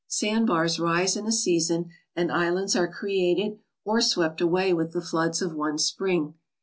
Sandbars rise in a season, and islands are created or swept away with the floods of one spring.